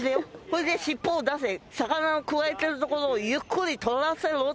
これで尻尾を出せ魚をくわえてるところをゆっくり撮らせろっつったんだよ